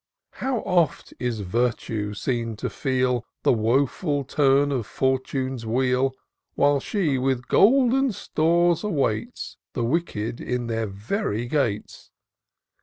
How oft is Virtue seen to feel The woful turn of Fortune's wheel, While she with golden stores awaits The wicked in their very gates